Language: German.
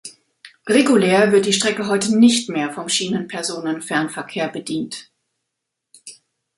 Regulär wird die Strecke heute nicht mehr vom Schienenpersonenfernverkehr bedient.